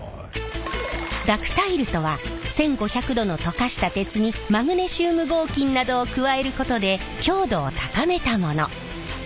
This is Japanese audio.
ダクタイルとは１，５００度の溶かした鉄にマグネシウム合金などを加えることで強度を高めたもの。